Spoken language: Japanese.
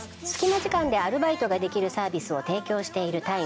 スキマ時間でアルバイトができるサービスを提供しているＴｉｍｅｅ